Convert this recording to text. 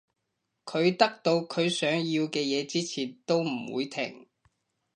佢得到佢想要嘅嘢之前都唔會停